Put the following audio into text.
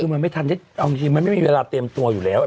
คือมันไม่มีเวลาเตรียมตัวอยู่แล้วอะ